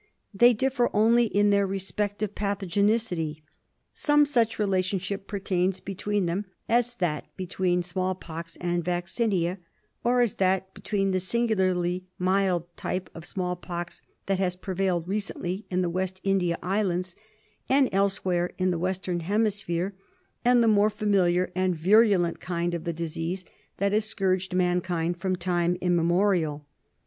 They differ only in their respec tive pathogenicity. Some such relationship pertains between them as that between small pox and vaccinia, or as that between the singularly mild type of small pox that has prevailed recently in the West India Islands and elsewhere in the Western Hemisphere, and the more familiar and virulent kind of the disease that has scourged o 2 212 PROBLEMS IN TROPICAL MEDICINE. mankind from time immemorial.